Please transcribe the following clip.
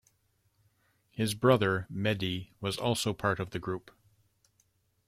His brother, Mehdi, was also part of the group.